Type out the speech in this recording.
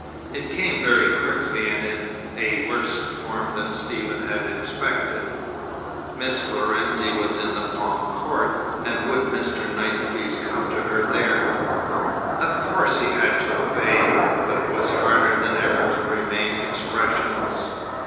It came very quickly, and in a worse form than Stephen had expected. Miss Lorenzi was in the Palm Court, and would Mr. Knight please come to her there? Of course he had to obey; but it was harder than ever to remain expressionless.